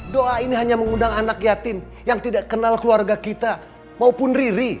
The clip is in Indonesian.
doa ini hanya mengundang anak yatim yang tidak kenal keluarga kita maupun riri